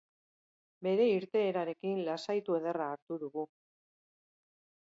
Bere irteerarekin lasaitu ederra hartu dugu.